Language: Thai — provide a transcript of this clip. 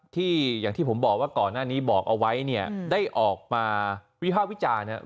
อย่างที่ผมบอกว่าก่อนหน้านี้บอกเอาไว้เนี่ยได้ออกมาวิภาควิจารณ์เนี่ย